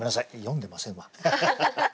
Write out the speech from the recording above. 読んでませんわ。